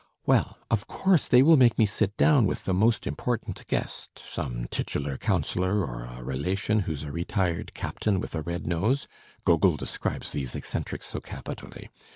"Well, of course they will make me sit down with the most important guest, some titular councillor or a relation who's a retired captain with a red nose. Gogol describes these eccentrics so capitally.